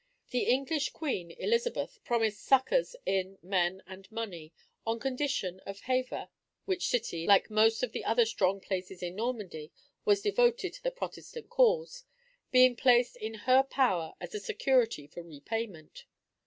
The English queen, Elizabeth, promised succors in men and money, on condition of Havre (which city, like most of the other strong places in Normandy, was devoted to the Protestant cause) being placed in her power as a security for repayment.